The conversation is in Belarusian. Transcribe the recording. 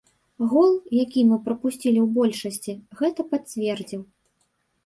Гол, які мы прапусцілі ў большасці, гэта пацвердзіў.